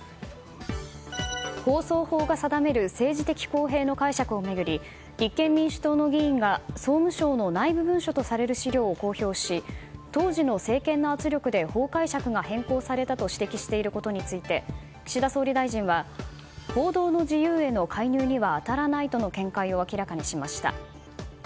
放送法が定める政治的公平性の解釈を巡り立憲民主党の議員が総務省の内部文書とされる資料を公表し当時の政権の圧力で法解釈が変更されたと指摘していることについて岸田総理大臣は報道の自由への介入には当たらないとの見解を明らかにしました。